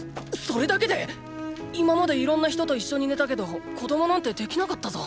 それだけで⁉今までいろんな人と一緒に寝たけど子供なんてできなかったぞ